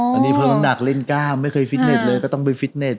ตอนนี้เพิ่มน้ำหนักเล่น๙ไม่เคยฟิตเน็ตเลยก็ต้องไปฟิตเน็